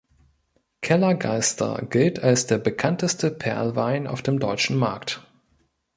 Keller Geister gilt als der bekannteste Perlwein auf dem deutschen Markt.